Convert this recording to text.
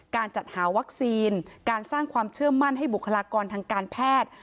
การจัดหาวัคซีนการสร้างความเชื่อมั่นให้บุคลากรทางการแพทย์